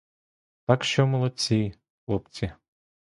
Так що молодці, хлопці!